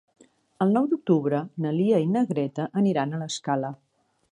El nou d'octubre na Lia i na Greta aniran a l'Escala.